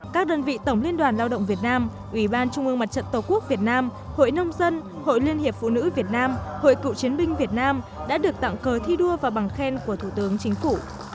các đơn vị tổng liên đoàn lao động việt nam ủy ban trung ương mặt trận tổ quốc việt nam hội nông dân hội liên hiệp phụ nữ việt nam hội cựu chiến binh việt nam đã được tặng cờ thi đua và bằng khen của thủ tướng chính phủ